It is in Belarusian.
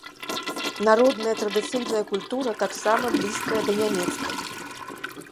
Народная традыцыйная культура таксама блізкая да нямецкай.